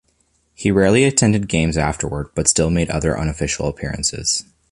He rarely attended games afterward, but still made other unofficial appearances.